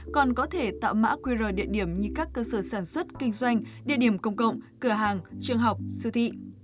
còn có thể tạo mã qr địa điểm như các cơ sở sản xuất kinh doanh địa điểm công cộng cửa hàng trường học siêu thị